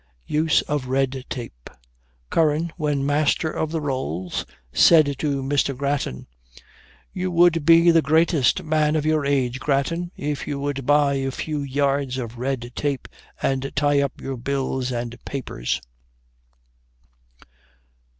USE OF RED TAPE. Curran, when Master of the Rolls, said to Mr. Grattan, "You would be the greatest man of your age, Grattan, if you would buy a few yards of red tape, and tie up your bills and papers."